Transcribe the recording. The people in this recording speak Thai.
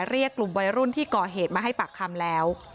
เรียกกลุ่มวัยรุ่นที่ก่อเหตุมาให้ปากคำแล้ว